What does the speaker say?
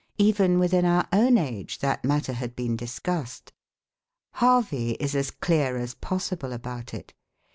Even within our own age that matter had been discussed. Harvey is as clear as possible about it.